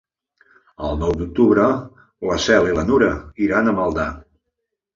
El nou d'octubre na Cel i na Nura iran a Maldà.